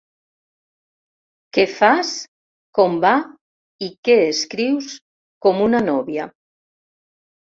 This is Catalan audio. Què fas, com va i què escrius, com una nòvia.